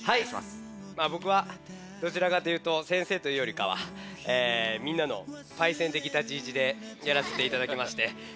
ぼくはどちらかというと先生というよりかはえみんなのパイセンてき立ちいちでやらせていただきまして。